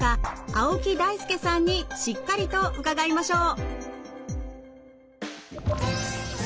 青木大輔さんにしっかりと伺いましょう。